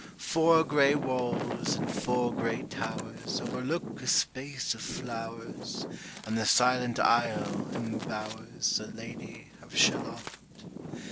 Four gray walls, and four gray towers, 15 Overlook a space of flowers, And the silent isle imbowers The Lady of Shalott.